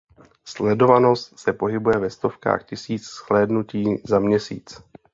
Sledovanost se pohybuje ve stovkách tisíc zhlédnutí za měsíc.